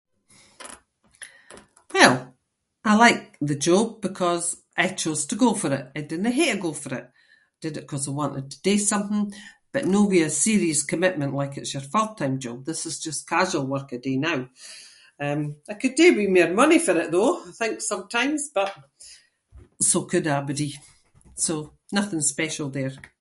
Well, I like the job because I chose to go for it. I didnae hae to go for it. I did it ‘cause I wanted to do something but no with a serious commitment like it’s your full-time job- this is just casual work I do now. Um, I could do with mair money for it, though, I think sometimes, but so could abody, so nothing special there.